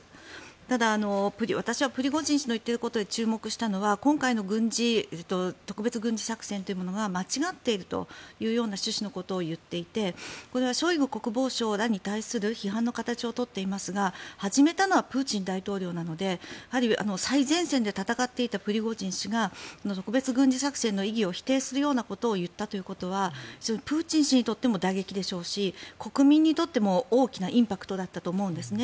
ただ、私はプリゴジン氏の言っていることで注目したのは今回の特別軍事作戦というのは間違っているというような趣旨のことを言っていてこれはショイグ国防相らに対する批判の形を取っていますが始めたのはプーチン大統領なのでやはり最前線で戦っていたプリゴジン氏が特別軍事作戦の意義を否定するようなことを言ったということはプーチン氏にとっても打撃でしょうし国民にとっても大きなインパクトだったと思うんですね。